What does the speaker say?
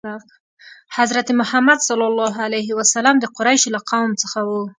حضرت محمد ﷺ د قریشو له قوم څخه و.